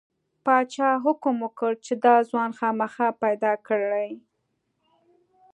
پادشاه حکم وکړ چې دا ځوان خامخا پیدا کړئ.